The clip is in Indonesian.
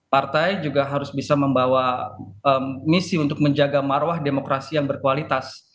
partai juga harus bisa membawa misi untuk menjaga marwah demokrasi yang berkualitas